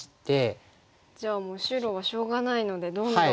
じゃあもう白はしょうがないのでどんどん入っていきます。